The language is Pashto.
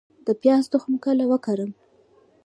د پیاز تخم کله وکرم؟